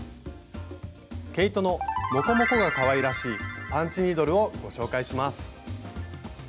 毛糸のモコモコがかわいらしいパンチニードルをご紹介します。